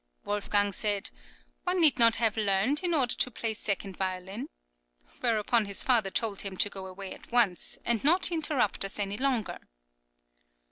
Wolfgang said, "One need not have learnt, in order to play second violin," whereupon his father told him to go away at once, and not interrupt us any longer.